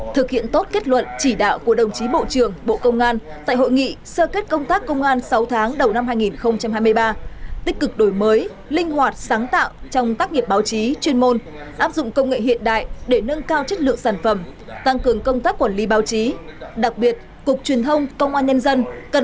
thực hiện tốt kết luận chỉ đạo của đồng chí bộ trưởng bộ công an tại hội nghị sơ kết công tác công an sáu tháng đầu năm hai nghìn hai mươi ba tích cực đổi mới linh hoạt sáng tạo trong tác nghiệp báo chí chuyên môn áp dụng công nghệ hiện đại để nâng cao chất lượng sản phẩm tăng cường công tác quản lý báo chí